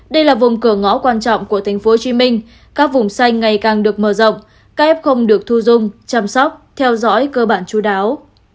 đây là vùng cửa ngõ quan trọng của thành phố hồ chí minh các vùng xanh ngày càng được mở rộng các ép không được thu dung chăm sóc theo dõi cơ bản chú đáo